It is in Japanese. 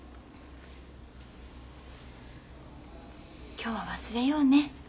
今日は忘れようね。